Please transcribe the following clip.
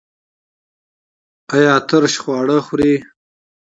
ایا ترش خواړه خورئ؟